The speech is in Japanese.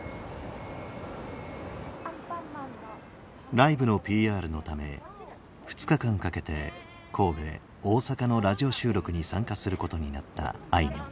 ライブのＰＲのため２日間かけて神戸大阪のラジオ収録に参加することになったあいみょん。